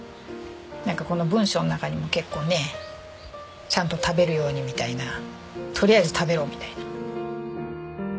この文章の中にも結構ねちゃんと食べるようにみたいなとりあえず食べろみたいな。